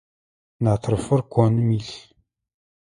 Натрыфыр коным илъ.